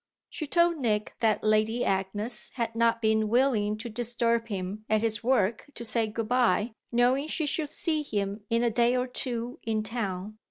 She told Nick that Lady Agnes had not been willing to disturb him at his work to say good bye, knowing she should see him in a day or two in town.